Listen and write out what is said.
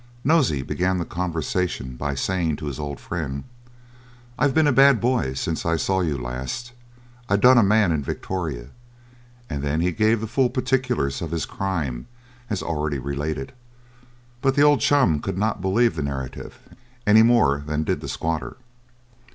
Nosey began the conversation by saying to his old friend, "I've been a bad boy since I saw you last I done a man in Victoria"; and then he gave the full particulars of his crime, as already related. But the old chum could not believe the narrative, any more than did the squatter.